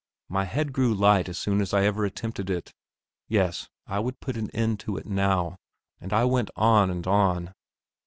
My head grew light as soon as ever I attempted it. Yes, I would put an end to it now; and I went on and on.